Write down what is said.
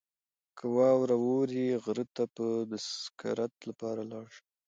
که واوره ووري، غره ته به د سکرت لپاره لاړ شو.